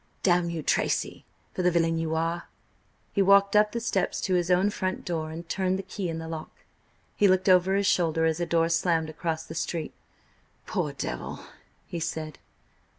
"Damn you, Tracy, for the villain you are!" He walked up the steps to his own front door and turned the key in the lock. He looked over his shoulder as a door slammed across the street. "Poor Devil!" he said.